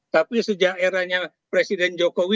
tapi sejak eranya presiden jokowi